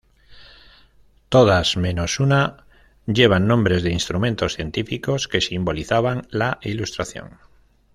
Todas menos una llevan nombres de instrumentos científicos que simbolizaban la Ilustración.